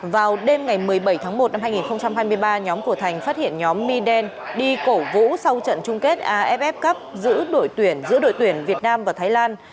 vào đêm ngày một mươi bảy tháng một năm hai nghìn hai mươi ba nhóm của thành phát hiện nhóm mi đen đi cổ vũ sau trận chung kết aff cup giữa đội tuyển giữa đội tuyển việt nam và thái lan